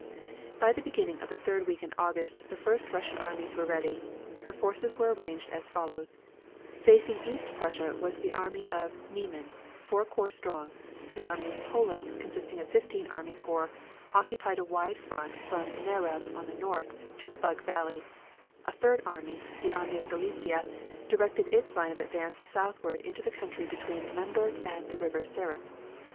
By the beginning of the third week in August the first Russian armies were ready. Her forces were arranged as follows: Facing East Prussia was the Army of the Niemen, four corps strong; the Army of Poland, consisting of fifteen army corps, occupied a wide front from Narev on the north to the Bug Valley; a third army, the Army of Galicia, directed its line of advance southward into the country between Lemberg and the River Sareth.